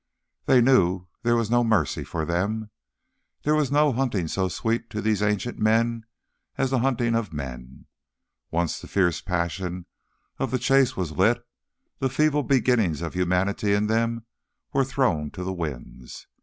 They knew there was no mercy for them. There was no hunting so sweet to these ancient men as the hunting of men. Once the fierce passion of the chase was lit, the feeble beginnings of humanity in them were thrown to the winds.